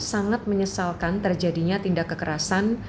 sangat menyesalkan terjadinya tindak kekerasan